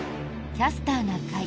「キャスターな会」。